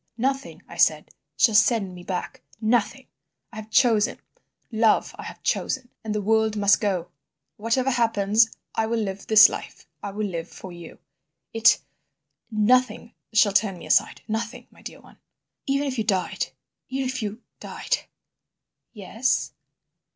"'Nothing,' I said, 'shall send me back. Nothing! I have chosen. Love, I have chosen, and the world must go. Whatever happens I will live this life—I will live for you! It—nothing shall turn me aside; nothing, my dear one. Even if you died—even if you died—' "'Yes?